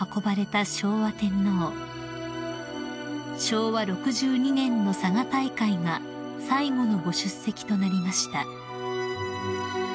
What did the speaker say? ［昭和６２年の佐賀大会が最後のご出席となりました］